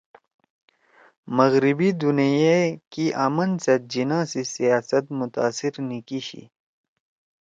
مغربی دونیئی ئے کی آمن سیت جناح سی سیاست متاثر نِی کیِشی